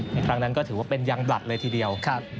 ครั้งนั้นก็ถือว่าเป็นยังบลัดเลยทีเดียว